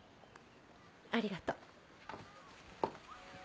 ありがとう。